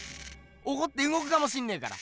おこってうごくかもしんねえから。